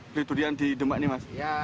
kulit durian di demak ini mas